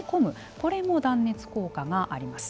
これも断熱効果があります。